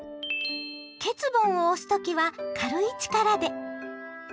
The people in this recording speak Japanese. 缺盆を押す時は軽い力で。